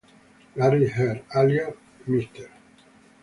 Larry Heard, alias "Mr.